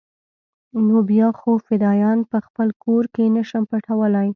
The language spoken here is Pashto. نو بيا خو فدايان په خپل کور کښې نه شم پټولاى.